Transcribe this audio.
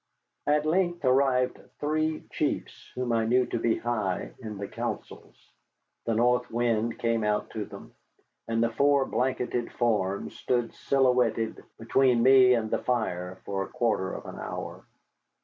At length arrived three chiefs whom I knew to be high in the councils. The North Wind came out to them, and the four blanketed forms stood silhouetted between me and the fire for a quarter of an hour.